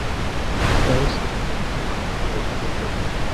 ښایست د خاموشو شپو رازونه لري